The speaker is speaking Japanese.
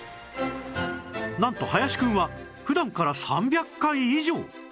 なんと林くんは普段から３００回以上！